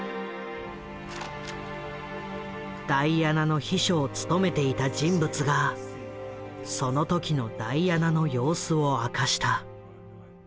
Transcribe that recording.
ダイアナの秘書を務めていた人物がその時のダイアナの様子を明かした。